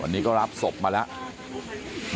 วันนี้ก็รับศพมาแล้ว